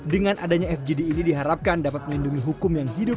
dengan adanya fgd ini diharapkan dapat melindungi hukum yang hidup